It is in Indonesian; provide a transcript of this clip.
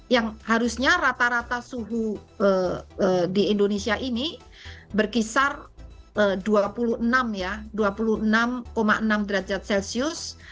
yang harusnya rata rata suhu di indonesia ini berkisar dua puluh enam enam derajat celcius